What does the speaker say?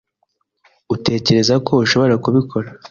Uratekereza ko ushobora kubikora?